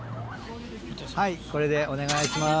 はいこれでお願いします。